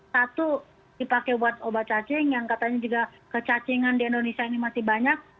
satu dipakai buat obat cacing yang katanya juga kecacingan di indonesia ini masih banyak